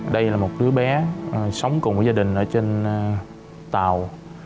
đây là một đứa bé sống cùng với gia đình ở trên tàu